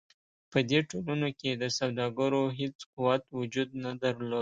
په دې ټولنو کې د سوداګرو هېڅ قوت وجود نه درلود.